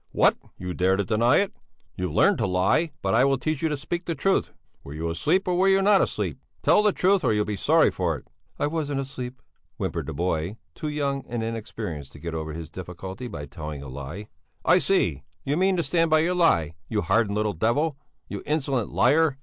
"What, you dare to deny it? You've learned to lie, but I will teach you to speak the truth! Were you asleep or were you not asleep? Tell the truth or you'll be sorry for it." "I wasn't asleep," whimpered the boy, too young and inexperienced to get over his difficulty by telling a lie. "I see, you mean to stand by your lie, you hardened little devil! You insolent liar!"